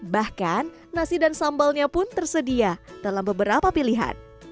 bahkan nasi dan sambalnya pun tersedia dalam beberapa pilihan